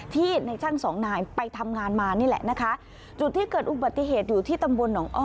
ในช่างสองนายไปทำงานมานี่แหละนะคะจุดที่เกิดอุบัติเหตุอยู่ที่ตำบลหนองอ้อ